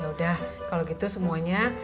yaudah kalo gitu semuanya